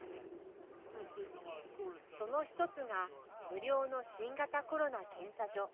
そのひとつが無料の新型コロナ検査所。